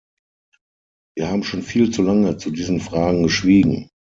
Wir haben schon viel zu lange zu diesen Fragen geschwiegen.